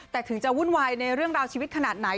แต่ถึงจะวุ่นวายในเรื่องราวชีวิตขนาดไหน